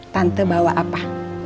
tante bawa apa